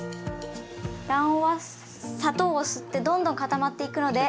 卵黄は砂糖を吸ってどんどん固まっていくので。